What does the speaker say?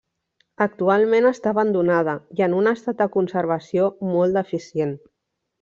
Actualment està abandonada i en un estat de conservació molt deficient.